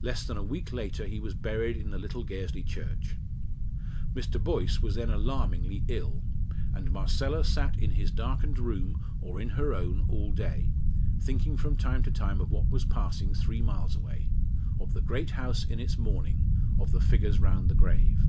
Less than a week later he was buried in the little Gairsley church. Mr. Boyce was then alarmingly ill, and Marcella sat in his darkened room or in her own all day, thinking from time to time of what was passing three miles away of the great house in its mourning of the figures round the grave.